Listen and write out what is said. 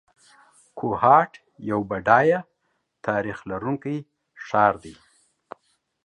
کوهاټ یو بډایه تاریخ لرونکی ښار دی.